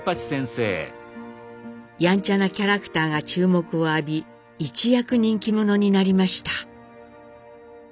やんちゃなキャラクターが注目を浴び一躍人気者になりました。